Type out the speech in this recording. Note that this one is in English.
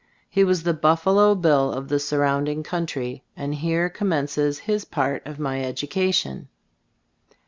He was the Buffalo Bill of the surrounding coun try, and here commences his part of my education.